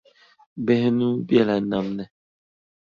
Bihi nuu bela nam ni.